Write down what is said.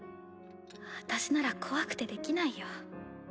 私なら怖くてできないよ。